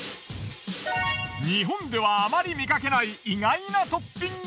日本ではあまり見かけないをトッピング。